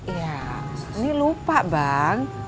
iya ini lupa bang